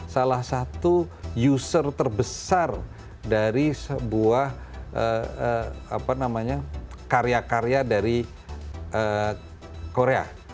salah satu user terbesar dari sebuah karya karya dari korea